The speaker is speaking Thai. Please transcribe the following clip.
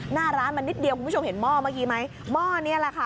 หน้าร้านมันนิดเดียวคุณผู้ชมเห็นหม้อเมื่อกี้ไหมหม้อนี้แหละค่ะ